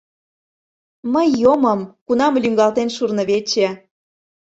Мый йомым, кунам лӱҥгалтен шурнывече